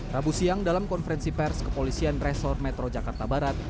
rabu siang dalam konferensi pers kepolisian resor metro jakarta barat